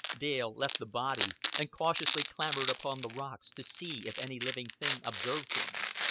Dale left the body, and cautiously clambered upon the rocks to see if any living thing observed him.